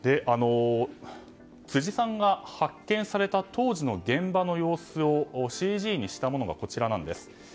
辻さんが発見された当時の現場の様子をＣＧにしたものがこちらです。